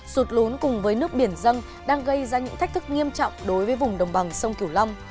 sụt lún cùng với nước biển dân đang gây ra những thách thức nghiêm trọng đối với vùng đồng bằng sông kiểu long